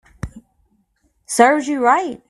Serves you right